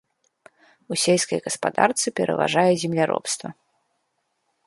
У сельскай гаспадарцы пераважае земляробства.